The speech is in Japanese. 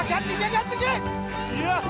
キャッチ行け！